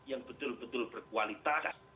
yang betul betul berkualitas